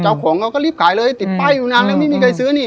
เขาก็รีบขายเลยติดป้ายอยู่นานแล้วไม่มีใครซื้อนี่